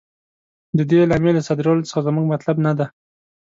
د دې اعلامیې له صادرولو څخه زموږ مطلب نه دی.